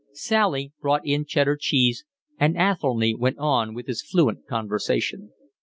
Sally brought in Cheddar cheese, and Athelny went on with his fluent conversation.